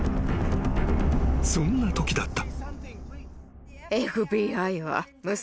［そんなときだった］